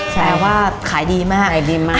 แสดงว่าขายดีมาก